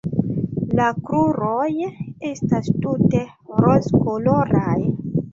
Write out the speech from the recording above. La kruroj estas tute rozkoloraj.